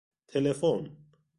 تلفن